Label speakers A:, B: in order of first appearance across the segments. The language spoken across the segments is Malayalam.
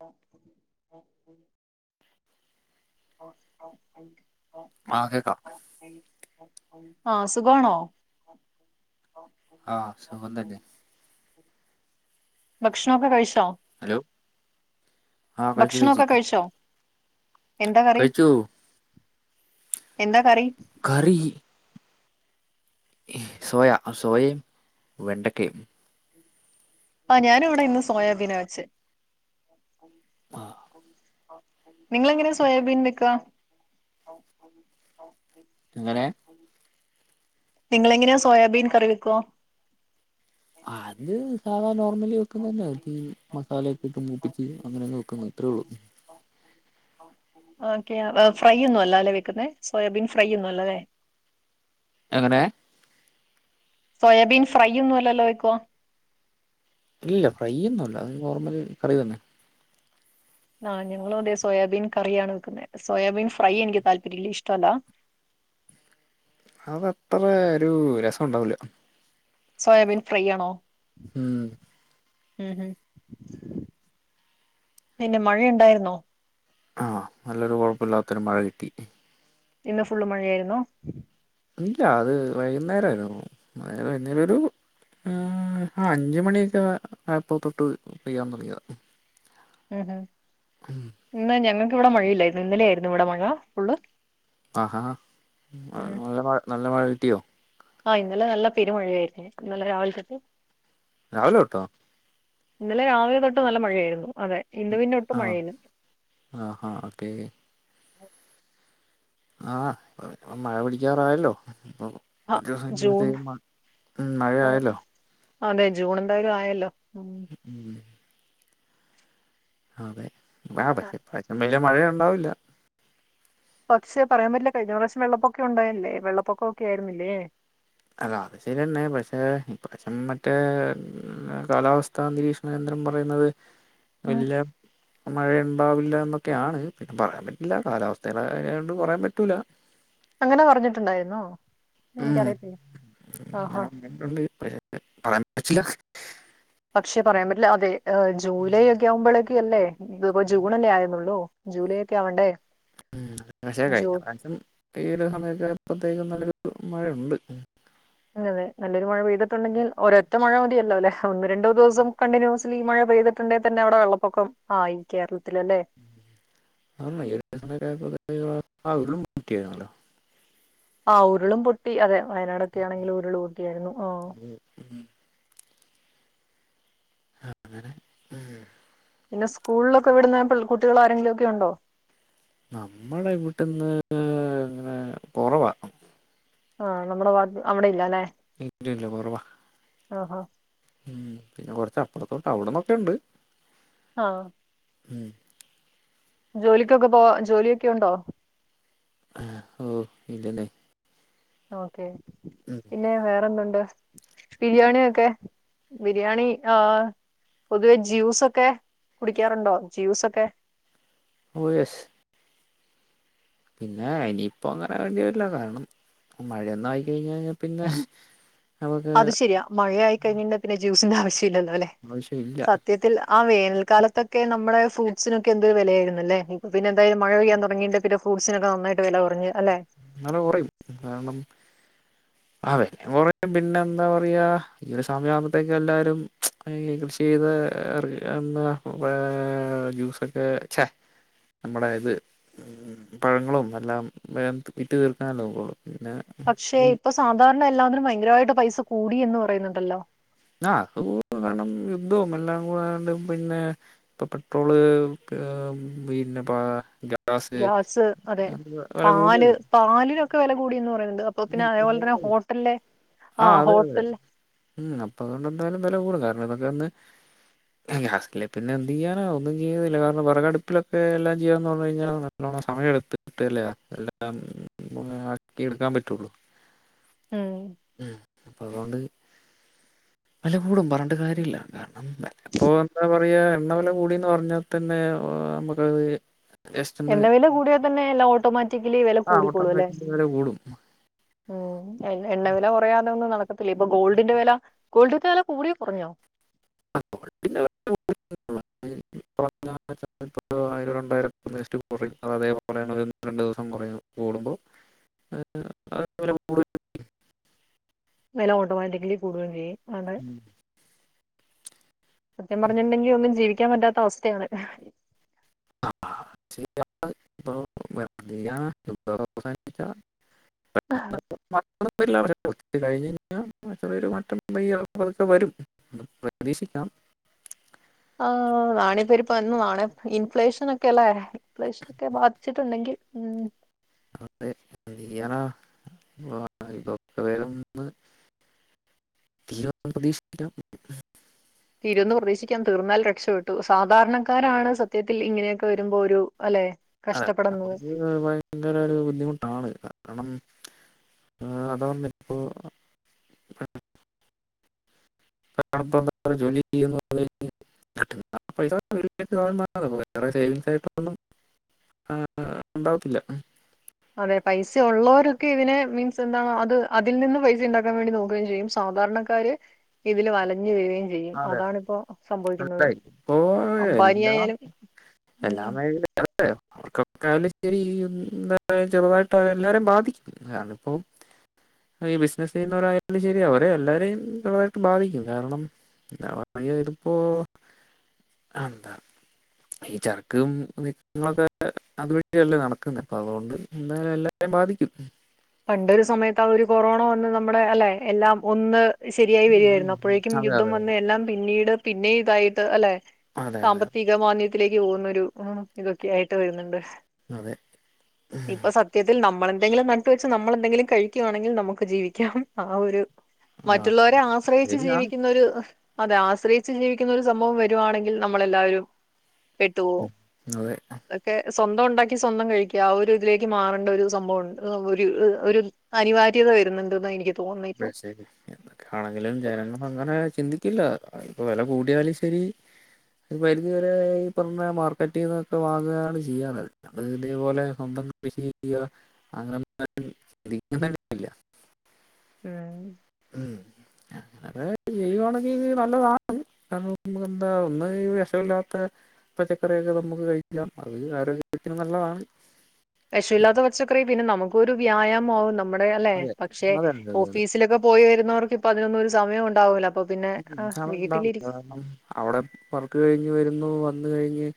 A: ഹലോ ഓഹ് ഓഹ് [unintelligible]
B: ആഹ് കേക്കാം
A: ആഹ് സുഖവാണോ
B: ആഹ് സുഖം തന്നെ
A: ഭക്ഷണൊക്കെ കഴിച്ചോ
B: ഹലോ ആഹ് കഴിച്ചു കഴിച്ചു
A: ഭക്ഷണൊക്കെ കഴിച്ചോ എന്താ കറി
B: കഴിച്ചു
A: എന്താ കറി
B: കറി ഏഹ് സോയ സോയേം വെണ്ടക്കേം
A: ആഹ് ഞാനും ഇവെടെ ഇന്ന് സോയാബീന വെച്ചെ
B: ആഹ്
A: നിങ്ങള് എങ്ങനെ സോയാബീൻ വെക്കാ
B: എങ്ങനെ
A: നിങ്ങളെങ്ങനെയാ സോയാബീൻ കറി വെക്കുവാ
B: അത് സാധാ നോർമല് വെക്കുന്നന്നെ മാതിരി ഈ മസാലൊക്കെ ഇട്ട് മൂപ്പിച്ച് അങ്ങനങ്ങ് വെക്കുന്നു അത്രേയൊള്ളു
A: ആഹ് [unintelligible] ഓക്കെ ആഹ് ഏഹ് ഫ്രൈയ്യൊന്നും അല്ലാല്ലെ വെക്കുന്നേ സോയാബീൻ ഫ്രൈയ്യൊന്നും അല്ലല്ലെ
B: എങ്ങനെ
A: സോയാബീൻ ഫ്രൈയ്യൊന്നും അല്ലല്ലോ വെക്കുവാ
B: ഇല്ല ഫ്രൈയ്യൊന്നല്ല അഹ് നോർമൽ കറി തന്നെ
A: ആഹ് ഞങ്ങളും അതെ സോയാബീൻ കറിയാണ് വെക്കുന്നേ സോയാബീൻ ഫ്രൈ എനിക്ക് താല്പര്യല്ല ഇഷ്ടവല്ല
B: അത് അത്രെരു രസ ഉണ്ടാവൂല
A: സോയാബീൻ ഫ്രൈയ്യാണോ
B: ഉം
A: ഉം ഉം പിന്നെ മഴയുണ്ടായിരുന്നോ
B: ആഹ് നല്ലൊരു കൊഴപ്പല്ലാത്തൊരു മഴ കിട്ടി
A: ഇന്ന് ഫുള്ള് മഴയായിരുന്നോ
B: ഇല്ല അത് വൈന്നേരാരുന്നു മഴ വൈന്നേരൊരു ആഹ് ആഹ് അഞ്ച് മണിയൊക്കാ ആയപ്പൊത്തൊട്ട് പെയ്യാൻ തൊടങ്ങിയതാ ഉം
A: ഉം ഉം
B: ഉം
A: ഇന്ന് ഞങ്ങക്ക് ഇവിടെ മഴയില്ലായിരുന്നു ഇന്നലെയായിരുന്നു ഇവിടെ മഴ ഫുള്ള്
B: ആഹ് ഹാ
A: ഉം
B: നല്ല മഴ നല്ല മഴ കിട്ടിയോ?
A: ആഹ് ഇന്നലെ നല്ല പെരുമഴയായിരിരുന്നു ഇന്നലെ രാവിലെ തൊട്ട്
B: രാവിലെ തൊട്ടോ?
A: ഇന്നലെ രാവിലെ തൊട്ട് നല്ല മഴയായിരുന്നു അതെ ഇന്ന് പിന്നെ ഒ
B: ആണോ? ആഹ് ഹാ ഓക്കെ ആഹ് ഇപ്പൊ മഴ പിടിക്കാറായല്ലോ ഇപ്പം
A: ആഹ്
B: കൊറച്ച് ദിവസം
A: ജൂൺ
B: കഴിയുമ്പത്തേനും മഴ ഉം മഴ
A: ആഹ്
B: ആയല്ലോ?
A: അതെ ജൂൺ എന്തായാലും ആയല്ലോ? ഉം
B: ഉം അതെ ആഹ് പക്ഷേ ഇപ്രാശ്യം വല്യ മഴ ഉണ്ടാവില്ല
A: പക്ഷെ പറയാൻ പറ്റില്ല കഴിഞ്ഞ പ്രാവിശ്യം വെള്ളപ്പൊക്കെ ഉണ്ടായല്ലേ? വെള്ളപ്പൊക്കം ഒക്കെ ആയിരുന്നില്ലേ?
B: അതെ അത് ശരിയന്നെ പക്ഷെ ഇപ്രാശ്യം മറ്റേ കാലാവസ്ഥാ നിരീക്ഷണ കേന്ദ്രം പറയുന്നത്
A: [unintelligible]
B: വല്ല്യ മഴയുണ്ടാവില്ല എന്നൊക്കെയാണ് പിന്നെ പറയാൻ പറ്റില്ല കാലാവസ്ഥയുടെ കാര്യം ആയോണ്ട് പറയാൻ പറ്റൂല്ല
A: അങ്ങനെ പറഞ്ഞിട്ടുണ്ടായിരുന്നോ?
B: ഉം
A: എനിക്കറിയത്തില്ല ആഹ് ഹാ
B: അങ്ങനെ പറഞ്ഞിട്ടുണ്ട് പക്ഷേ പറയാൻ പറ്റില്ല
A: പക്ഷെ പറയാൻ പറ്റില്ല അതെ എഹ് ജൂലൈ ഒക്കെ ആവുമ്പളേക്കല്ലേ ഇതിപ്പോ ജൂൺ അല്ലേ ആയൊള്ളൂ ജൂലൈ ഒക്കെ ആവണ്ടേ?
B: പക്ഷേ കഴിഞ്ഞ
A: ജൂൺ
B: പ്രാവിശ്യം ഈ ഒരു സമയത്തെ ഇപ്പോഴത്തേക്കും നല്ലൊരു മഴയുണ്ട്
A: അതെ അതെ നല്ലൊരു മഴ പെയ്തിട്ടുണ്ടെിൽ ഒരൊറ്റ മഴ മതിയല്ലോ ല്ലേ? ഒന്ന് രണ്ടോ ദിവസം കണ്ടിന്യൂസ്ലി മഴ പെയ്തി് ട്ടുണ്ടേ തന്നെ അവിടെ വെള്ളപ്പൊക്കം ആയി കേരളത്തിൽ അല്ലെ?
B: ആന്ന് ഈ സമയൊക്കെ ആയപ്പോക്കും ആഹ് ഉരുളും പൊട്ടിയാരുന്നല്ലോ?
A: ആഹ് ഉരുളും പൊട്ടി അതെ വയനാടൊക്കെ ആണെങ്കില് ഉരുള് പൊട്ടിയായിരുന്നു ആഹ്
B: ഉം ഹാ അങ്ങനെ ഉം
A: പിന്നെ സ്കൂളിലൊക്കെ വിടുന്ന കുട്ടികള് ആരെങ്കിലും ഒക്കെയുണ്ടോ?
B: നമ്മളെ വീട്ട്ന്ന്
A: ആഹ് നമ്മടെ വാത്ത് അവിടെയില്ലല്ലെ?
B: ഇല്ലില്ല കൊറവ
A: ആഹ് ആഹ്
B: ഉം പിന്നെ കൊറച്ച് അപ്പുറത്തോട്ട് അവിടന്നൊക്കെ ഉണ്ട്
A: ആഹ്
B: ഉം
A: ജോലിക്കൊക്കെ പോവാ ജോലിയൊക്കെ ഉണ്ടോ?
B: ആഹ് ഓ ഇല്ലെന്നെ
A: ഓക്കെ പിന്നെ വേറെന്തുണ്ട്? ബിരിയാണിയൊക്കെ ബിരിയാണി ആഹ് പൊതുവേ ജ്യൂസൊക്കെ കുടിക്കാറുണ്ടോ? ജ്യൂസൊക്കെ?
B: ഓഹ് യെസ് പിന്നെ ഇനിയിപ്പോ അങ്ങനെ വേണ്ടി വരില്ല കാരണം മഴയൊന്നും ആയി കഴിഞ്ഞഴിഞ്ഞാ പിന്നെ നമുക്ക്
A: അത് ശരിയാ മഴയായി കഴിഞ്ഞഴിഞ്ഞ പിന്നെ ജ്യൂസിന്റെ ആവശ്യം ഇല്ലല്ലോ ല്ലെ?
B: ആവശ്യമില്ല
A: സത്യത്തിൽ ആ വേനൽക്കാലത്തൊക്കെ നമ്മുടെ ഫ്രൂട്ട്സിനൊക്കെ എന്തൊരു വെലയായിരുന്നു ലെ ഇപ്പ പിന്നെന്തായാലും മഴ പെയ്യാൻ തൊടങ്ങീണ്ടെ പിന്നെ ഫ്രൂട്സിനൊക്കെ നന്നായിട്ട് വെല കൊറഞ് അല്ലെ
B: ങ്ങള് കൊറയും കാരണം [unintelligible] പിന്നെന്താ പറയാ ഈ ഒരു സമയാകുമ്പത്തേക്കും എല്ലാരും ഈ കൃഷി ചെയ്ത് എർ എന്നാ ഏ ജ്യൂസൊക്കെ ഛേ നമ്മുടെ ഇത് ഉം പഴങ്ങളും എല്ലാം വേം വിറ്റ് തീർക്കണല്ലോ പിന്നെ
A: പക്ഷേ
B: ഇപ്പം
A: ഇപ്പൊ സാധാരണ എല്ലാത്തിനും ഭയങ്കരായിട്ട് പൈസ കൂടിയെന്ന് പറയുന്നുണ്ടല്ലോ
B: ആ അത് കൂടും കാരണം യുദ്ധവും എല്ലാം കൂടെ ആയോണ്ട് പിന്നെ ഇപ്പൊ പെട്രോള് പിന്നെ പാ
A: ഗ്യാസ് അതെ പാല്
B: കൂടിയല്ലോ
A: പാലിനൊക്കെ വെല കൂടിന്ന് പറയ്ന്ന്ണ്ട് അപ് അപ്പോ പിന്നെ അതേപോലെത്തെന്നെ ഹോട്ടല്ലെ
B: ആ
A: ആഹ്
B: അതെ
A: ഹോട്ടൽ
B: അപ്പൊ അതൊണ്ടെന്തായാലും വെല കൂടും കാരണം ഇതൊക്കെ ഒന്ന് ഗ്യാസില്ലേ പിന്നെന്തെയ്യാന ഒന്നും ചെയ്യുന്നില്ല കാരണം വെറകടുപ്പിലൊക്കെ എല്ലാം ചെയ്യാന്ന് പർഞ്ഞ് കഴിഞ്ഞാ ല്ലോണം സമയെടുത്തിട്ട്ലെ എല്ലാം ഒന്ന് ആക്കി എടുക്കാൻ പറ്റ് റ്റുള്ളു
A: ഉം
B: ഉം അതോണ്ട് വെല കൂടും പർഞ്ട്ട് കാര്യല്ല ഇപ്പൊ എന്താ പറയാ എണ്ണ വില കൂടിന്ന് പറഞ്ഞാത്തന്നെ നമുക്കത് ജസ്റ്റ് ഒന്ന്
A: എണ്ണ വില കൂടിയാ തന്നെ എല്ലാ ഓട്ടോമാറ്റിക്കലി വെല
B: ആ
A: കൂടിക്കോളുലെ
B: ഓട്ടോമാറ്റിക് വില കൂടും.
A: ഉം എണ്ണ വില കുറയാതെ ഒന്നും നടക്കത്തില്ല ഇപ്പൊ ഗോൾഡിന്റെ വെല ഗോൾഡിന്റെ വെല കൂടിയോ കൊറഞ്ഞോ
B: [unintelligible] ഒരു ആയിരം രണ്ടായിരോ ഒന്ന് ജെസ്റ്റ് കൊറയും അത് അതേപോലെന്നെ രണ്ട് ദിവസം കൊറയും കൂടുമ്പോ
A: [inaudible]
B: അത് വില കൂടും.
A: വെല ഓട്ടോമാറ്റിക്കലി കൂടുകയും ചെയ്യും അതെ
B: ഉം.
A: സത്യം പറഞ്ണ്ടെങ്കി ഒന്നും ജീവിക്കാൻ പറ്റാത്ത അവസ്ഥയാണ്
B: [unintelligible] ഇല്ല [inaudible] [unintelligible] വരും പ്രതീക്ഷിക്കാം
A: ആഹ് [unintelligible] ഇൻഫ്ലേഷനൊക്കെ ലെ [unintelligible] ബാധിച്ചിട്ടുണ്ടെങ്കിൽ ഉം
B: അതെ ശെരിയാണ് [unintelligible] തീരുമെന്ന് പ്രതീക്ഷിക്കാം
A: തീരുന്ന് പ്രതീക്ഷിക്കാം തീർന്നാൽ രക്ഷപ്പെട്ടു സാധാരണക്കാരാണ് സത്യത്തിൽ ഇങ്ങനെയൊക്കെ വെരുമ്പോ ഒരു അല്ലെ
B: അതെ
A: കഷ്ടപ്പെടുന്നത്
B: നമ്മക്ക് ഭയങ്കരൊരു ബുദ്ധിമുട്ടാണ് കാരണം അത് വന്നിപ്പോ [unintelligible] [unintelligible] വേറെ സെയ്‌വിങ്സായിട്ടൊന്നും ആ ആ ഉണ്ടാവത്തില്ല
A: അതെ പൈസ ഉള്ളവരൊക്കെ ഇവനെ മീൻസ് എന്താണോ അത് അതിൽ നിന്ന് പൈസ ഉണ്ടാക്കാൻ വേണ്ടി നോക്കുകയും ചെയ്യും സാധാരണ ക്കാര് ഇതില് വലഞ് വരുകയും ചെയ്യും
B: അതെ
A: അതാണിപ്പോ സംഭവിക്കുന്നത്
B: മനസ്സിലായി ഇപ്പോ
A: അമ്പാനി
B: എല്ലാ
A: ആയാലും
B: എല്ലാ
A: ഉം
B: [unintelligible] ചെറുതായിട്ട് അതെല്ലാരേം ബാധിക്കും [unintelligible] ന്നിപ്പോ ഇപ്പീ ബിസിനസ്സ് ചെയ്യുന്നവരായാലും ശെരി അവരെ എല്ലാവരെയും തായിട്ട് ബാധിക്കും കാരണം [unintelligible] തിപ്പോ ആന്താ? ഈ ചരക്കും നീക്കങ്ങളൊക്കെ അതുവഴിയല്ലേ നടക്കുന്നത് അപ്പം അതുകൊണ്ട് എന്തായാലും എല്ലാവരെയും ബാധിക്കും
A: പണ്ടൊരു സമയത്ത് ആ ഒരു കൊറോണ വന്ന് നമ്മടെ അല്ലെ എല്ലാം കൊന്ന് ശരിയായി വരുവായിരുന്നു അപ്പോഴേക്കും
B: അതെ
A: യുദ്ധം
B: അതെ
A: വന്ന് എല്ലാം പിന്നീട് പിന്നെ ഇതായിട്ട് അല്ലെ
B: അതെ അതെ
A: സാമ്പത്തിക മാന്ദ്യത്തിലേക്ക് പോകുന്ന ഒരു ഇതൊക്കെ ആയിട്ട് വരുന്നുണ്ട്
B: അതെ
A: ഇപ്പൊ സത്യത്തിൽ നമ്മളെന്തെങ്കിലും ന ട്ടുവെച്ച് നമ്മളെന്തെങ്കിലും കഴിക്കുവാണെങ്കിൽ നമുക്ക് ജീവിക്കാം ആ ഒരു
B: ആ
A: മറ്റുള്ളോരെ ആശ്രയിച്ച്
B: ശരിയാണ്
A: ജീവിക്കുന്നൊരു അതെ ആശ്രയിച്ച് ജീവിക്കുന്ന ഒരു സംഭവം വരുവാണെങ്കിൽ നമ്മളെല്ലാവരും പെട്ടുപോവും
B: അതെ
A: ക്കെ സ്വന്തം ഒണ്ടാക്കി സ്വന്തം കഴിക്കാ ആ ഒരു ഇതിലേക്ക് മാറണ്ടെ ഒരു സംഭവൊണ്ട് ആഹ് ഒരു ഏഹ് ഒരു അനിവാര്യത വരുന്നുണ്ട്ന്നാ എനിക്ക് തോന്നുന്നു ഇപ്പൊ
B: [unintelligible] ശരി എന്തൊക്കെയാണെങ്കിലും ജനങ്ങളങ്ങനെ ചിന്തിക്കില്ല ഇപ്പൊ വെല കൂടിയാലും ശരി ഒരു പരിധി വരെ ഈ പർഞ്ഞ മാർക്കറ്റീന്നൊക്കെ വാങ്ങുകയാണ് ചെയ്യണത് അപ്പം ഇതേപോലെ സ്വന്തം കൃഷി ചെയ്യാ [unintelligible] ഇല്ലാ
A: ഉം
B: ഉം അത് ചെയ്യുവാണെങ്കി നല്ലതാണ് കാരണം നമ്മക്ക് എന്താ ഒന്ന് ഈ വെഷയില്ലാത്ത ഈ പച്ചക്കറിയൊക്കെ നമ്മക്ക് കഴിക്കാം അത് ആരോഗ്യത്തിന് നല്ലതാണ്
A: വെഷം ഇല്ലാത്ത പച്ചക്കറി പിന്നെ നമുക്കൊരു വ്യായാമമാവും നമ്മടെ അല്ലെ
B: അതെ.
A: പക്ഷെ
B: അതെ അതെ അതെ അതെ
A: ഓഫീസിലൊക്കെ പോയി വരുന്നവർക്ക് ഇപ്പ അതിനൊന്നും ഒരു സമയം ഒണ്ടാവൂല്ലാ അപ്പ പിന്നെ ആഹ്
B: ഇതാണ് ഉണ്ടാവുക
A: വീട്ടിലിരിക്
B: കാരണം അവിടെ വർക്ക് കഴിഞ്ഞ് വരുന്നു വന്ന് കഴിഞ്ഞ്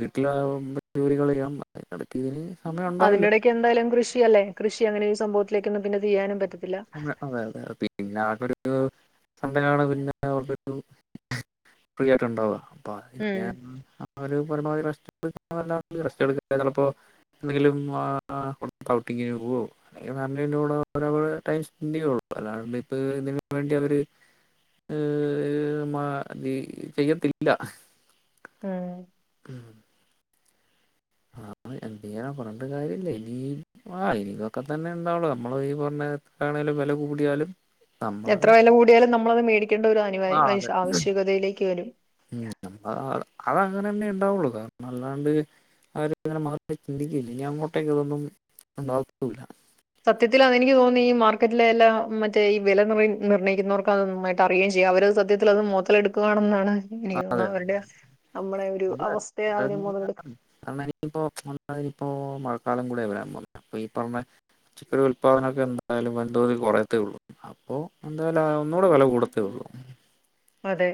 B: വീട്ടിലാകുമ്പ ജോലികളെയ്യാം അതിനെടക്ക് ഇതിന് സമയം
A: അതിന്റെ
B: ഒണ്ടാവില്ലാ
A: ഇടയ്ക്ക് എന്തായാലും കൃഷിയല്ലേ കൃഷി അങ്ങനെ ഒരു സംഭവത്തിലേക്കൊന്നും പിന്നെ തിരിയാനും പറ്റത്തില്ലാ
B: അതെ അതെ പിന്നെ അവർക്കൊരു [unintelligible] പിന്നെ അവർക്കൊരു ഫ്രീ ആയിട്ട് ഒണ്ടാവാ അപ്പൊ
A: ഉം
B: [unintelligible] അവര് പരമാവധി റസ്റ്റ് [unintelligible] റസ്റ്റെട്ക്കാ ചെലപ്പോ എന്തെങ്കിലും ആഹ് പൊർത്ത് ഔട്ടിങ്ങിന് പോവോ അല്ലെങ്കി [unintelligible] കൂടെ ടൈം സ്പെൻഡ് ചെയ്യോ അല്ലാണ്ടിപ്പം ഇതിന് വേണ്ടി അവര് ഏഹ് മ ഇതി ചെയ്യത്തില്ലാ
A: ആഹ്
B: ഉം ആണ് എന്ത് ചെയ്യാനാ പറഞ്ഞിട്ട് കാര്യല്ലാ ഇനി ആഹ് ഇനി ഇതൊക്കെ തന്നെ ഇണ്ടാവുള്ളൂ നമ്മള് ഈ പറഞ്ഞ കണക്കാണേലും വെല കൂടിയാലും നമ്മള്
A: എത്ര വെല കൂടിയാലും നമ്മളത് മേടിക്കേണ്ട ഒരു
B: ആ
A: അനിവാര്യ
B: അതെ
A: വൈശ് ആവശ്യകതയിലേക്ക് വരും
B: ഉം ആഹ് അതങ്ങനെന്നെ ഒണ്ടാവുള്ളു കാരണം അല്ലാണ്ട് അവര് അങ്ങനെ മാറ്റി ചിന്തിക്കോല്ലാ ഇനി അങ്ങോട്ടേക്ക് ഇതൊന്നും ഒണ്ടവത്തൂല്ലാ
A: സത്യത്തിൽ അതെനിക്ക് തോന്നി ഈ മാർക്കറ്റിലെ എല്ലാം മറ്റേ ഈ വെല നിർ നിർണയിക്കുന്നോർക്കാ തോന്ന് മടി ട്ടറിയേ ചെയ്യും അവരത് സത്യത്തിലത് മൊതലെടുക്കുവാണെന്നാണ് എനിക്ക്
B: ആ-
A: തോന്ന് അവരുടെ നമ്മളെ ഒരു അവസ്ഥയ അവര് മൊതലെടുക്
B: കാരണം ഇനിയിപ്പോ ഒന്നാമതിനിയിപ്പോ മഴക്കാലം കൂടെ വരാ പോകുന്നേ അപ്പൊ ഈ പറഞ്ഞ പച്ചക്കറി ഉൽപാദനൊക്കെ എന്തായാലും വൻ തോതി കൊറയത്തേ ഒള്ളൂ അപ്പോ എന്തായാലും ആഹ് ഒന്നൂടെ വെല കൂടത്തേ ഒള്ളൂ
A: അതെ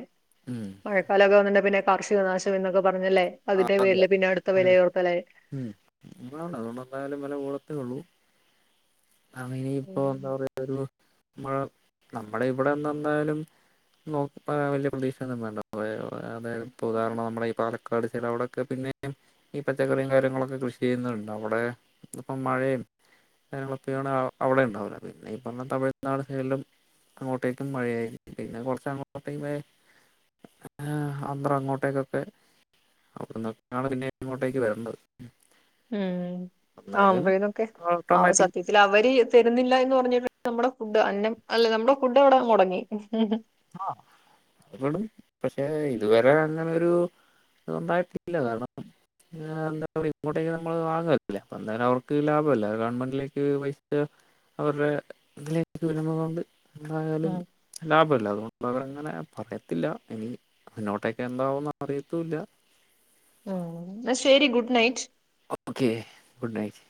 B: മ്
A: മഴക്കാലൊക്കെ ആമ്പൊ പിന്നെ കാർഷിക നാശം എന്നൊക്കെ പറഞ്ഞല്ലേ
B: ആഹ്
A: അതിന്റെ
B: അതെ
A: പേരില് പിന്നെ അടുത്ത
B: അതെ
A: വിലയോർത്തല്ലേ
B: ഉം എന്താണ് അതുകൊണ്ട് എന്തായാലും വെല കൂടത്തേ ഒള്ളൂ ആഹ് ഇനിയിപ്പോ
A: ഉം
B: എന്താ പറയാ ഒരു മഴ നമ്മുടെ ഇവിടെ എന്ത എന്തായാലും നോക്ക് വല്യ പ്രതീക്ഷ ഒന്നു വേണ്ടേ അത ഇപ്പോ ഉദാഹരണം നമ്മുടെ ഈ പാലക് കടിച്ചിടാ അവിടെക്കെ പിന്നെ ഈ പച്ചക്കറിയും കാര്യങ്ങളൊക്കെ കൃഷി ചെയ്യുന്നുണ്ട് അവിടെ ഇപ്പം മഴയും കാര്യങ്ങൊക്കെയാണ് അവിടെ ഉണ്ടാവിണത് ന്നെ ഈ പറഞ്ഞ തമിഴ്നാട് സൈഡ്ലും അങ്ങോട്ടേക്കും മഴയായിക്കും പിന്നെ കൊർച്ച അങ്ങോട്ടേക്ക്‌ പോയ ആന്ദ്ര അങ്ങോട്ടേക്കൊക്കെ അവിടെന്നൊക്കെയാണ് പിന്നെ ഇങ്ങോട്ടേക്ക് വരണ്ടത്
A: ഉം ആഹ് ആന്ധ്രെനൊക്കെ ആഹ്
B: ഓട്ടോമാറ്റിക്
A: സത്യത്തി ത്തിൽ അവര് തരുന്നില്ല എന്ന് പറഞ്ഞിട്ട് നമ്മുടെ ഫുഡ് അന്നം അല്ലെ നമ്മുടെ ഫുഡ് അവടെ മൊടങ്ങി
B: ആഹ് അപ്പ് പെടും പക്ഷെ ഇതുവരെ അങ്ങന ഒരു ഒണ്ടായിട്ടില്ല കാരണം പി എന്താ ഇങ്ങോട്ടേക്ക് നമ്മള് വാങ്ങല്ലേ അപ്പ എന്തായാലും അവർക്ക് ലാഭല്ലേ ഗവൺമെന്റിലേക്ക് പൈസ അവരുടെ ഇതിലേക്ക് വരുന്ന കൊണ്ട് എന്തായാലും ലാഭല്ലേ അതുകൊണ്ടവരങ്ങനെ പറയത്തില്ല ഇനി മുന്നോട്ടേക്കെ എന്താവുമന്ന് അറിയത്തൂല്ല
A: ഉം ന്നാ ശരി good night
B: okay good night